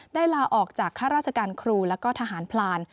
ลาออกจากข้าราชการครูแล้วก็ทหารพลาน